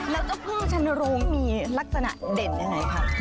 แล้วก็พึ่งชนโรงมีลักษณะเด็ดอย่างไรคะ